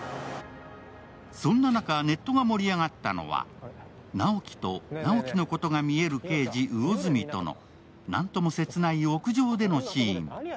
そんな中、ネットが盛り上がったのは直木と直木のことが見える刑事、魚住との何とも切ない屋上でのシーン。